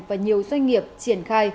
và nhiều doanh nghiệp triển khai